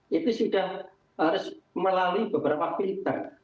itu sudah harus melalui beberapa berita